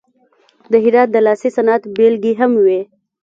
د هرات د لاسي صنعت بیلګې هم وې.